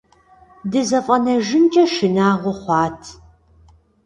ДызэфӀэнэжынкӀэ шынагъуэ хъуат.